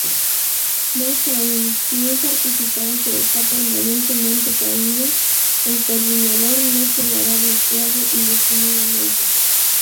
Más aún, si un participante está permanentemente caído, el coordinador no quedará bloqueado indefinidamente.